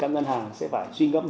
các ngân hàng sẽ phải xuyên gấp